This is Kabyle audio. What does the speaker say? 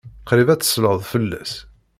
Qrib ad tesleḍ fell-as.